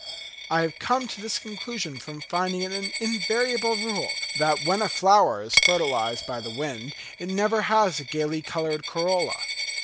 I have come to this conclusion from finding it an invariable rule that when a flower is fertilised by the wind it never has a gaily coloured corolla.